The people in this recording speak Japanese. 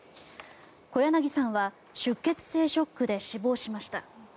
小柳さんは出血性ショックで死亡しました。